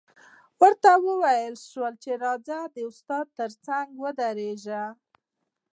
ورته وویل شول چې راځه د استاد څنګ ته ودرېږه